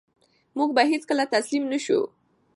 موږ به هېڅکله تسلیم نه شو.